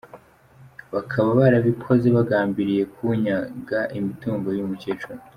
Bakaba barabikoze bagambiriye kunyaga imitungo y’uyu mukecuru.